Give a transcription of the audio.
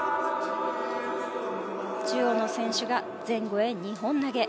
中央の選手が前後へ２本投げ。